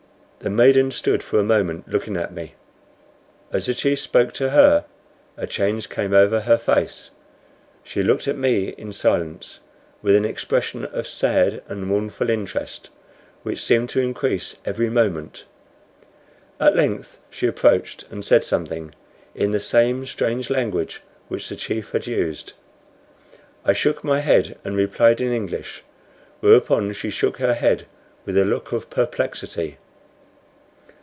The maiden stood for a moment looking at me. As the chief spoke to her a change came over her face. She looked at me in silence, with an expression of sad and mournful interest, which seemed to increase every moment. At length she approached and said something in the same strange language which the chief had used. I shook my head and replied in English, whereupon she shook her head with a look of perplexity.